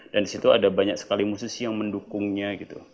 dan disitu ada banyak sekali musisi yang mendukungnya gitu